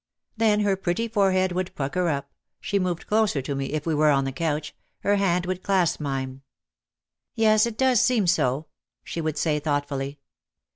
Then her pretty forehead would pucker up ; she moved closer to me, if we were on the couch, her hand would clasp mine. "Yes, it does seem so," she would say thoughtfully.